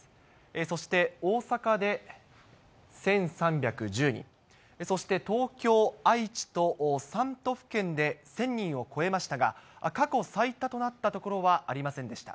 そして、大阪で１３１０人、そして東京、愛知と３都府県で１０００人を超えましたが、過去最多となった所はありませんでした。